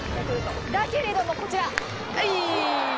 だけれどもこちら！